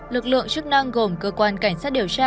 lực lượng chức năng gồm cơ quan cảnh sát điều tra